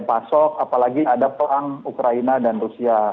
pasok apalagi ada perang ukraina dan rusia